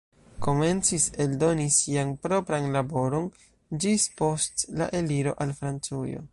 Komencis eldoni sian propran laboron ĝis post la eliro al Francujo.